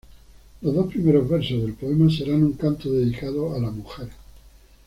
Los dos primeros versos del poema serán un canto dedicado a la mujer.